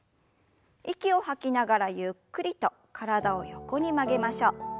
息を吐きながらゆっくりと体を横に曲げましょう。